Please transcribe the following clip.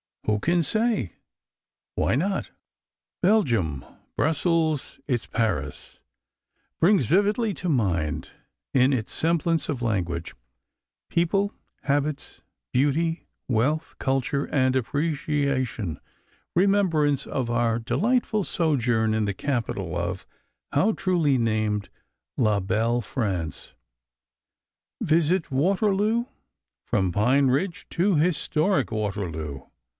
Who can say? Why not? Belgium Brussels its Paris brings vividly to mind, in its semblance of language, people, habits, beauty, wealth, culture, and appreciation, remembrance of our delightful sojourn in the capital of (how truly named) la belle France. Visit Waterloo! From Pine Ridge to historic Waterloo!